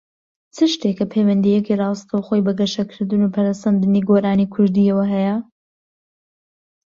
چ شتێکە پەیوەندییەکی ڕاستەوخۆی بە گەشەکردن و پەرەسەندنی گۆرانیی کوردییەوە هەیە؟